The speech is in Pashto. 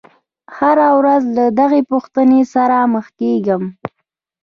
هره ورځ له دغې پوښتنې سره مخ کېږم.